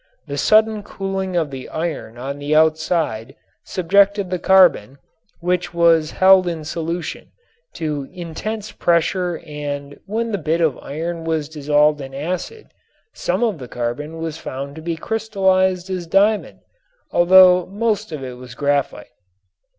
The sudden cooling of the iron on the outside subjected the carbon, which was held in solution, to intense pressure and when the bit of iron was dissolved in acid some of the carbon was found to be crystallized as diamond, although most of it was graphite.